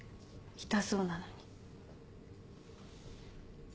痛そうなのに。